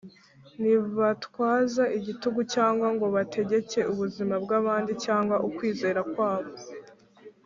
ntibatwaza igitugu cyangwa ngo bategeke ubuzima bw’abandi cyangwa ukwizera kwabo